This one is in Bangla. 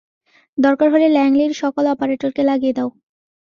দরকার হলে ল্যাংলির সকল অপারেটরকে লাগিয়ে দাও।